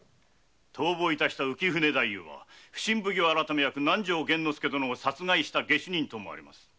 逃亡した浮舟は普請奉行改役・南条幻之介殿を殺害した下手人かと思われます。